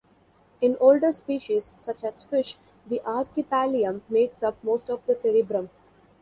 In older species, such as fish, the archipallium makes up most of the cerebrum.